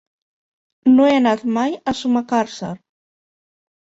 No he anat mai a Sumacàrcer.